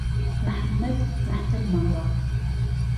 محەممەد مهحتەل ماوه